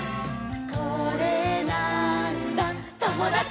「これなーんだ『ともだち！』」